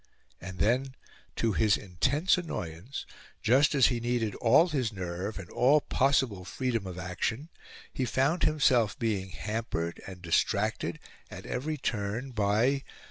And then, to his intense annoyance, just as he needed all his nerve and all possible freedom of action, he found himself being hampered and distracted at every turn by...